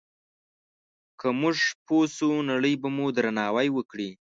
که موږ پوه شو، نړۍ به مو درناوی وکړي.